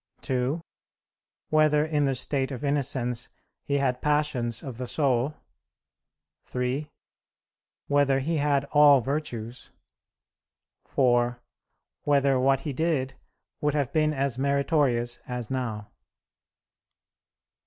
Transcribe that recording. (2) Whether in the state of innocence he had passions of the soul? (3) Whether he had all virtues? (4) Whether what he did would have been as meritorious as now?